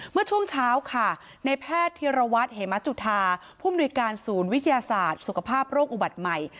เมื่อช่วงเช้าค่ะในแพทย์ธิรวัตรเหมจุธาผู้มนุยการศูนย์วิทยาศาสตร์สุขภาพโรคอุบัติใหม่